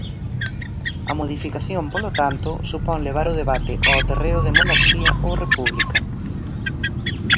A modificación, polo tanto, supón levar o debate ao terreo de monarquía ou república.